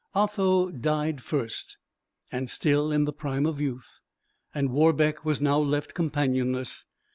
Otho died first, and still in the prime of youth; and Warbeck was now left companionless.